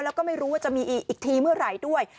แล้วก็ไม่รู้ว่าจะมีอีกทีเมื่อไหร่ด้วย